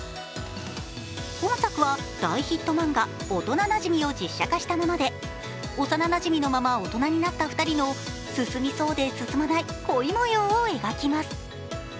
今作は大ヒット漫画「おとななじみ」を実写化したもので幼なじみのまま大人になった２人の進みそうで進まない恋模様を描きます。